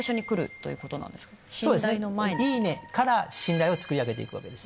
そうですね「いいね」から信頼をつくり上げて行くわけです。